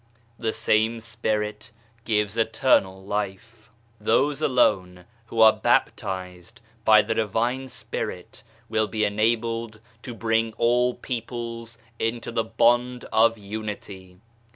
The same Spirit gives Eternal Life. Those alone who are baptized by the Divine Spirit, will be enabled to bring all peoples into the bond of unity.